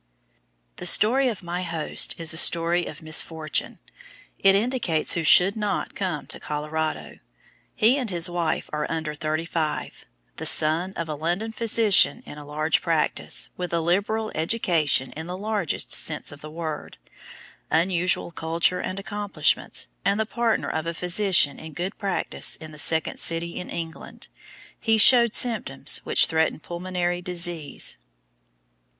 The story of my host is a story of misfortune. It indicates who should NOT come to Colorado. He and his wife are under thirty five. The son of a London physician in large practice, with a liberal education in the largest sense of the word, unusual culture and accomplishments, and the partner of a physician in good practice in the second city in England, he showed symptoms which threatened pulmonary disease.